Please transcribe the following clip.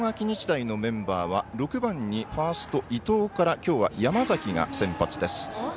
日大のメンバーは６番にファースト伊藤からきょうは山崎が先発です。